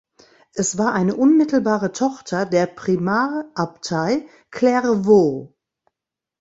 Es war eine unmittelbare Tochter der Primarabtei Clairvaux.